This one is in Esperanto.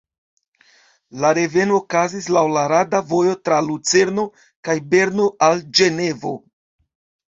La reveno okazis laŭ la rada vojo tra Lucerno kaj Berno al Ĝenevo.